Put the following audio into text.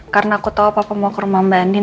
karena aku tau papa mau ke rumah mbak andin